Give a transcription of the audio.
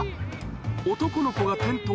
男の子が転倒。